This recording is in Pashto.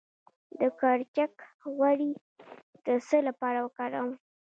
د کرچک غوړي د څه لپاره وکاروم؟